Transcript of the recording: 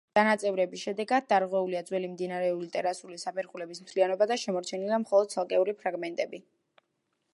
დანაწევრების შედეგად დარღვეულია ძველი მდინარეული ტერასული საფეხურების მთლიანობა და შემორჩენილია მხოლოდ ცალკეული ფრაგმენტები.